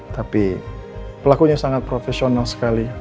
tapi pelakunya sangat profesional sekali